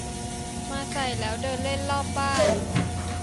มาใส่แล้วเดินเล่นรอบบ้าน